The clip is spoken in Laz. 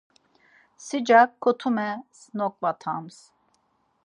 Sicak kotumes noǩvatams.